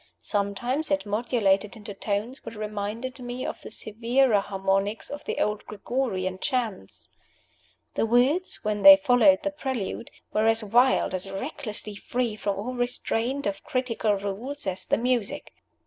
Sometimes it modulated into tones which reminded me of the severer harmonies of the old Gregorian chants. The words, when they followed the prelude, were as wild, as recklessly free from all restraint of critical rules, as the music.